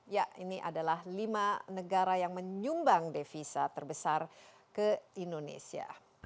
ya ini adalah lima negara yang menyumbang devisa terbesar ke indonesia